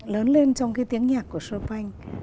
lớn lên trong cái tiếng nhạc của chopin